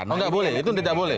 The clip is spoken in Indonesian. oh nggak boleh itu tidak boleh